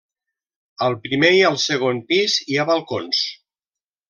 Al primer i al segon pis hi ha balcons.